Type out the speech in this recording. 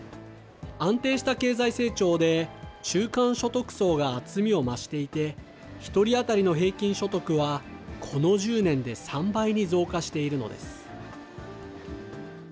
安定した経済成長で中間所得層が厚みを増していて、１人当たりの平均所得はこの１０年で３倍に増加しているのです。